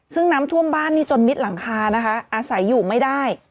ซึ่งน้ำท่วมบ้านนี่จนมิดหลังคานะคะอาศัยอยู่ไม่ได้